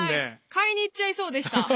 買いに行っちゃいそうでした。